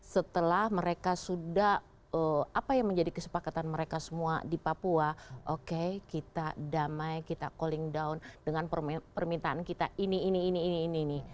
setelah mereka sudah apa yang menjadi kesepakatan mereka semua di papua oke kita damai kita calling down dengan permintaan kita ini ini ini ini